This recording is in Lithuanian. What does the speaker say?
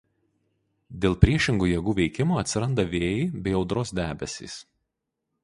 Dėl priešingų jėgų veikimo atsiranda vėjai bei audros debesys.